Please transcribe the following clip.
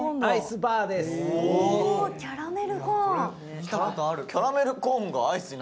見たことある。